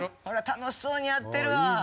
楽しそうにやってるわ。